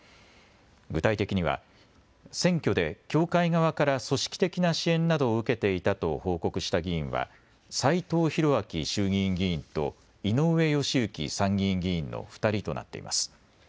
具体的には選挙で教会側から組織的な支援などを受けていたと報告した議員は斎藤洋明衆議院議員と井上義行参議院議員の２人となっています。